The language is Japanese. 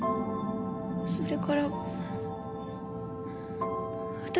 それから私